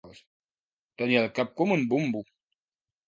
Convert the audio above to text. Tenir el cap com un bombo.